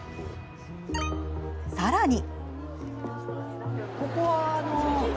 さらに。